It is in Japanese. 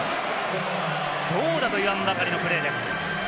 どうだと言わんばかりのプレーです。